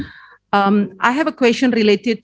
saya mempunyai pertanyaan terkait dengan